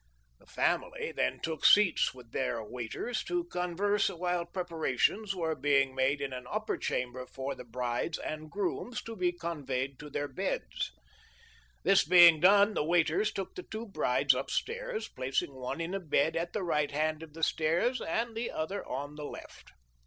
/The family then took seats with their waiters to converse while prepara tions were being made in an upper chamber for the brides and grooms to be conveyed to their beds. This being done the waiters took the two brides up stairs, placing one in a bed at the right hand of the stairs and the other on the left.